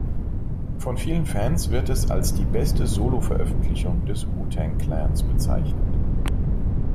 Von vielen Fans wird es als die beste Solo-Veröffentlichung des Wu-Tang Clans bezeichnet.